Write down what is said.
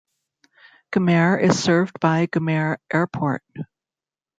Gumare is served by Gumare Airport.